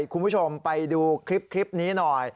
คุณผู้ชมไปดูคลิปนี้หน่อย